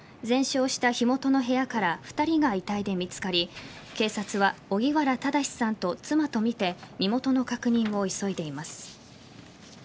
全焼した火元の部屋から２人が遺体で見つかり警察は荻原正さんと妻とみて身元の確認を急いでいます。